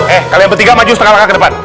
eh kalian bertiga maju setengah lekah ke depan